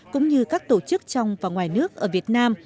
cũng như các tổ chức trong và ngoài nước ở việt nam